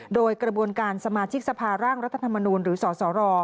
โดยกระบวนการสมาชิกสภาร่างรัฐธรรมนูลหรือสสร